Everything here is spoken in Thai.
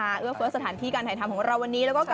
เราต้องกำหนดสถานที่การถ่ายทำของเราวันนี้